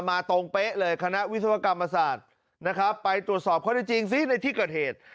มาตรงเป๊ะเลยคณะวิศวกรรมศาสตร์นะครับไปตรวจสอบข้อได้จริงซิในที่เกิดเหตุ